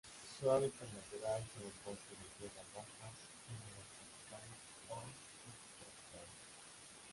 Su hábitat natural son los bosques de tierras bajas húmedas tropicales o subtropicales.